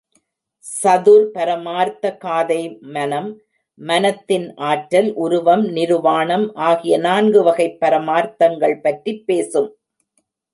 சதுர் பரமார்த்த காதை மனம், மனத்தின் ஆற்றல், உருவம், நிருவாணம் ஆகிய நான்கு வகைப் பரமார்த்தங்கள் பற்றிப் பேசும்.